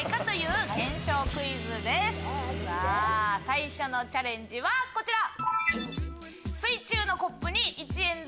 最初のチャレンジはこちら。